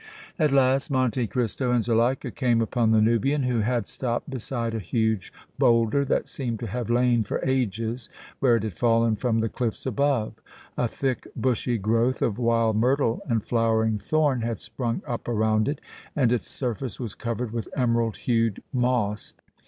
At last Monte Cristo and Zuleika came upon the Nubian, who had stopped beside a huge bowlder that seemed to have lain for ages where it had fallen from the cliffs above. A thick, bushy growth of wild myrtle and flowering thorn had sprung up around it, and its surface was covered with emerald hued moss.